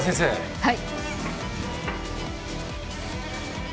はい。